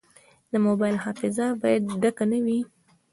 د موبایل حافظه باید ډکه نه وي.